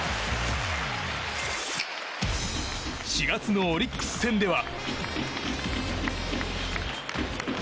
４月のオリックス戦では。